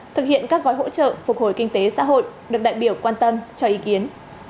thực hiện các gói hỗ trợ phục hồi kinh tế xã hội được đại biểu quan tâm cho ý kiến